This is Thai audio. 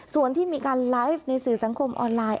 ส่วนที่มีการไลฟ์ในสื่อสังคมออนไลน์